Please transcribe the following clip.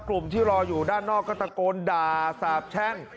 รอที่รออยู่ด้านนอกก็ตะโกนด่าสาบแช่ง